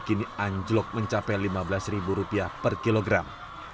kini anjlok mencapai lima belas rupiah per kilogram